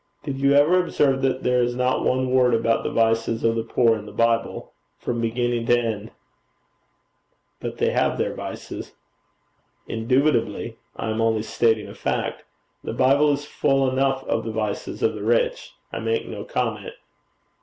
Did you ever observe that there is not one word about the vices of the poor in the Bible from beginning to end?' 'But they have their vices.' 'Indubitably. I am only stating a fact. The Bible is full enough of the vices of the rich. I make no comment.'